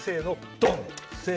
ドン！